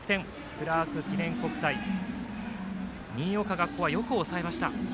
クラーク記念国際新岡が、ここはよく抑えました。